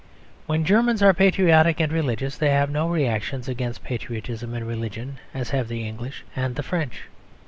When Germans are patriotic and religious they have no reactions against patriotism and religion as have the English and the French.